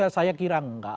saya kira tidak